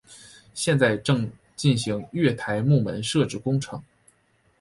现在正进行月台幕门设置工程。